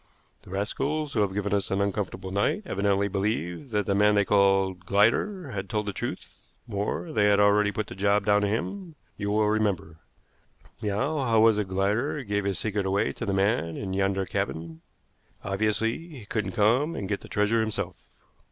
"The rascals who have given us an uncomfortable night evidently believed that the man they called Glider had told the truth; more, they had already put the job down to him, you will remember. Now, how was it Glider gave his secret away to the man in yonder cabin? Obviously he couldn't come and get the treasure himself."